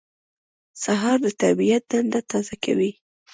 سهار د طبیعت دنده تازه کوي.